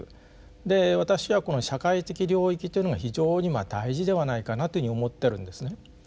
で私はこの社会的領域というのが非常に大事ではないかなというふうに思ってるんですね。